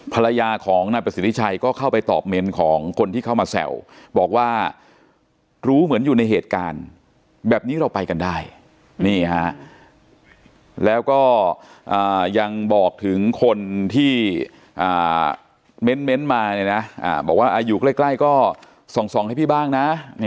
ภรรยาของนายประสิทธิชัยก็เข้าไปตอบเมนต์ของคนที่เข้ามาแซวบอกว่ารู้เหมือนอยู่ในเหตุการณ์แบบนี้เราไปกันได้นี่ฮะแล้วก็ยังบอกถึงคนที่เม้นต์มาเนี่ยนะบอกว่าอยู่ใกล้ก็ส่องให้พี่บ้างนะ